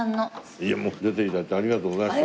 いや出て頂いてありがとうございました。